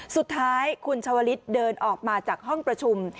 สุดท้ายคุณชาวลิศเดินออกมาจากห้องประชุม